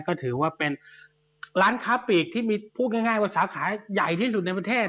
ก็ถือว่าเป็นร้านค้าปีกที่มีพูดง่ายว่าสาขาใหญ่ที่สุดในประเทศ